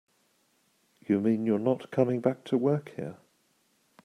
You mean you're not coming back to work here?